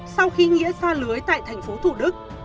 sau khi nghĩa xa lưới tại thành phố thủ đức